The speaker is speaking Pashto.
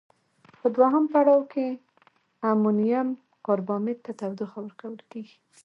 په دویم پړاو کې امونیم کاربامیت ته تودوخه ورکول کیږي.